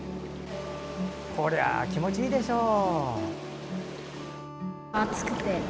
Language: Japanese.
こりゃ気持ちいいでしょう。